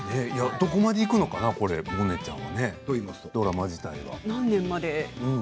どこまでいくのかなモネちゃんはね、ドラマ自体が。